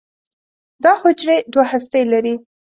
دا حجرې دوه هستې لري.